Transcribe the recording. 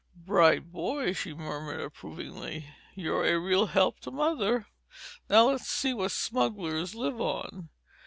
"Bright boy," she murmured approvingly. "You're a real help to mother! Now let's see what smugglers live on."